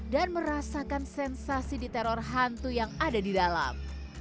dan merasakan sensasi di teror hantu yang ada di dalam